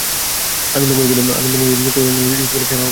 আনন্দময়ী কহিলেন, কেন হবে না?